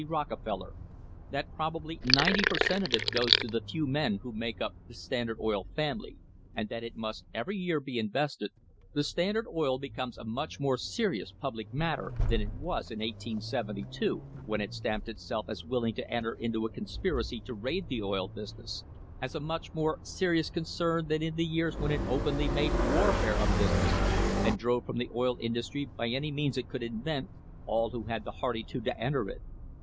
Rockefeller, that probably ninety per cent, of it goes to the few men who make up the "Standard Oil family," and that it must every year be invested, the Standard Oil Company becomes a much more serious public matter than it was in 1872, when it stamped itself as willing to enter into a con spiracy to raid the oil business as a much more serious con cern than in the years when it openly made warfare of business, and drove from the oil industry by any means it could invent all who had the hardihood to enter it.